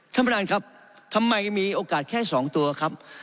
ท่านประธานครับทำไมมีโอกาสแค่๒ตัวครับ